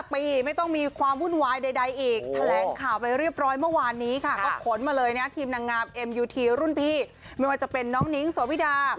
๕ปีไม่ต้องมีความวุ่นวายใดอีกแถลงข่าวไปเรียบร้อยเมื่อวานนี้ค่ะ